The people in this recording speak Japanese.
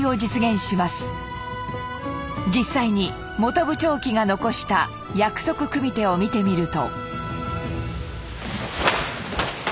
実際に本部朝基が残した約束組手を見てみると。